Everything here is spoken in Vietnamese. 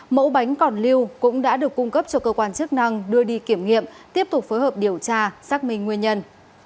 mẫu bánh còn lưu cũng đã được cung cấp cho cơ quan chức năng đưa đi kiểm nghiệm tiếp tục phối hợp điều tra xác minh nguyên nhân